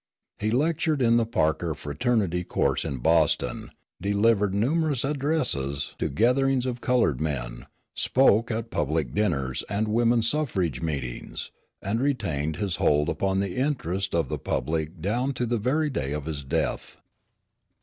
He lectured in the Parker Fraternity Course in Boston, delivered numerous addresses to gatherings of colored men, spoke at public dinners and woman suffrage meetings, and retained his hold upon the interest of the public down to the very day of his death.